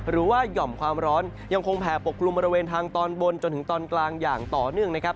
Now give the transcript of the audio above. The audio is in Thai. หย่อมความร้อนยังคงแผ่ปกกลุ่มบริเวณทางตอนบนจนถึงตอนกลางอย่างต่อเนื่องนะครับ